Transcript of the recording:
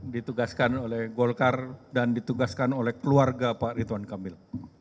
ditugaskan oleh golkar dan ditugaskan oleh keluarga pak ridwan kamil